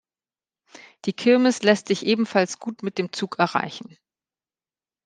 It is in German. Die Kirmes lässt sich ebenfalls gut mit dem Zug erreichen.